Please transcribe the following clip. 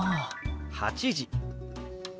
「８時」。